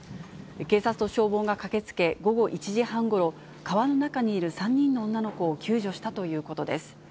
警察と消防が駆けつけ、午後１時半ごろ、川の中にいる３人の女の子を救助したということです。